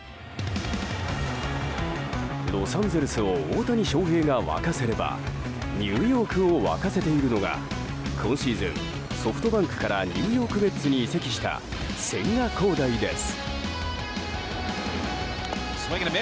ロサンゼルスを大谷翔平が沸かせればニューヨークを沸かせているのが今シーズン、ソフトバンクからニューヨーク・メッツに移籍した千賀滉大です。